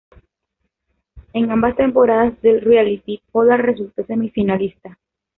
En ambas temporadas del "reality", Pollard resultó semifinalista.